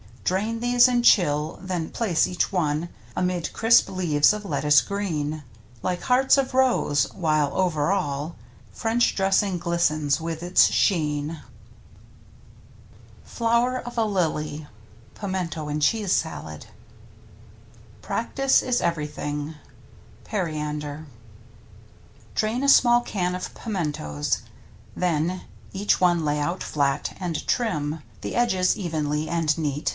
Drain these and chill, then place each one Amid crisp leaves of lettuce green, Like hearts of rose, while over all French dressing glistens with its sheen. ^'^ w Htl^m^tr Mtttiptu FLOWER OF A LILY (pimento and cheese salad) Practice is everything. — Periander. Drain a small can of Pimentoes, Then each one lay out flat, and trim The edges evenly and neat.